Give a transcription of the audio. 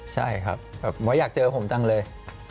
ใช่ครับแบบหมออยากเจอผมจังเลย